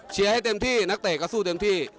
ให้เต็มที่นักเตะก็สู้เต็มที่